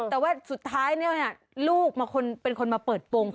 แต่ว่าสุดท้ายลูกมาเปิดโปร่งความลับของพ่อ